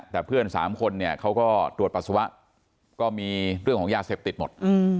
แต่เพื่อน๓คนเนี่ยเขาก็ตรวจปัสสาวะก็มีเรื่องของยาเสพติดหมด